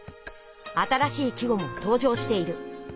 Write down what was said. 新しい季語もとう場している。